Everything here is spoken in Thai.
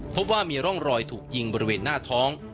พบว่ามีร่องรอยถูกยิงบริเวณหน้าท้อง